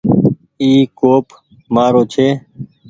اي ڪوپ مآرو ڇي۔